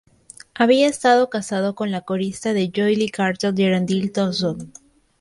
Había estado casado con la corista de D'Oyly Carte Geraldine Thompson.